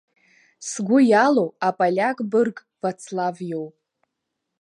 Сгәы иалоу аполиак бырг Вацлав иоуп.